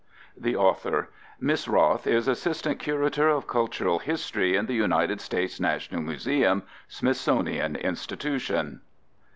_ THE AUTHOR: _Miss Roth is assistant curator of cultural history in the United States National Museum, Smithsonian Institution.